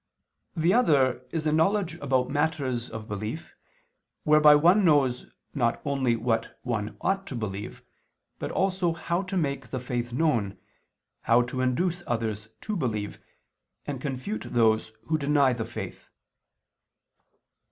The other is a knowledge about matters of belief, whereby one knows not only what one ought to believe, but also how to make the faith known, how to induce others to believe, and confute those who deny the faith.